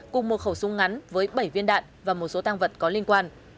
cùng một khẩu súng ngắn với bảy viên đạn và một số tăng vật có liên quan